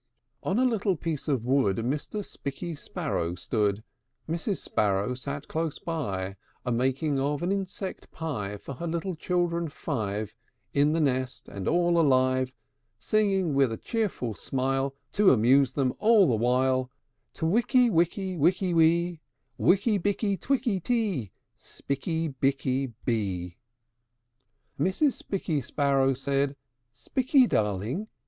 I. On a little piece of wood Mr. Spikky Sparrow stood: Mrs. Sparrow sate close by, A making of an insect pie For her little children five, In the nest and all alive; Singing with a cheerful smile, To amuse them all the while, "Twikky wikky wikky wee, Wikky bikky twikky tee, Spikky bikky bee!" II. Mrs. Spikky Sparrow said, "Spikky, darling!